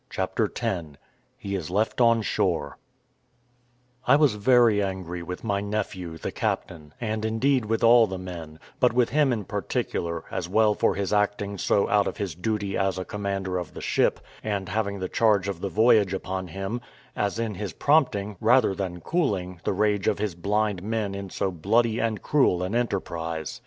CHAPTER X HE IS LEFT ON SHORE I was very angry with my nephew, the captain, and indeed with all the men, but with him in particular, as well for his acting so out of his duty as a commander of the ship, and having the charge of the voyage upon him, as in his prompting, rather than cooling, the rage of his blind men in so bloody and cruel an enterprise.